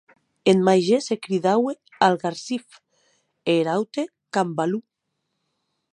Eth màger se cridaue Algarsif, e er aute, Cambalo.